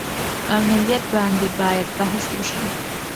او نوعیت باندې باید بحث وشي